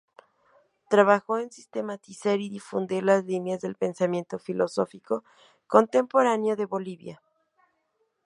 Trabajó en sistematizar y difundir las líneas del pensamiento filosófico contemporáneo de Bolivia.